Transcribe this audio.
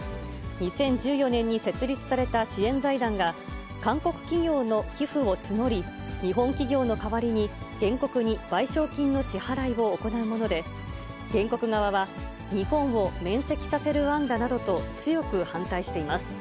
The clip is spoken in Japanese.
２０１４年に設立された支援財団が、韓国企業の寄付を募り、日本企業の代わりに、原告に賠償金の支払いを行うもので、原告側は、日本を免責させる案だなどと強く反対しています。